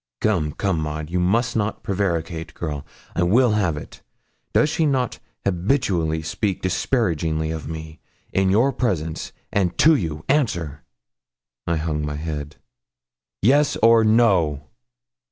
'Come, come, Maud, you must not prevaricate, girl. I will have it. Does she not habitually speak disparagingly of me, in your presence, and to you? Answer.' I hung my head. 'Yes or no?'